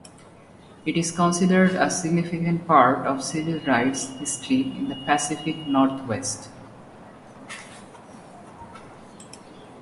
It is considered a significant part of civil rights history in the Pacific Northwest.